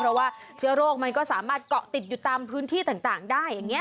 เพราะว่าเชื้อโรคมันก็สามารถเกาะติดอยู่ตามพื้นที่ต่างได้อย่างนี้